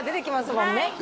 もんね